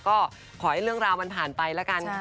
ก็ขอให้เรื่องราวมันผ่านไปแล้วกัน